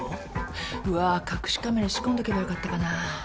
うわ隠しカメラ仕込んどけば良かったかな。